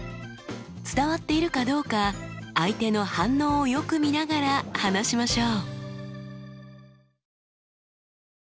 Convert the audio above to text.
伝わっているかどうか相手の反応をよく見ながら話しましょう。